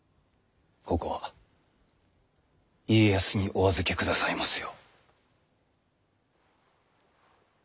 ここは家康にお預けくださいますよう。